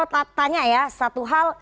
grace saya tanya ya satu hal